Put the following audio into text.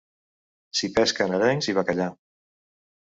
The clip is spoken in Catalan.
S'hi pesquen arengs i bacallà.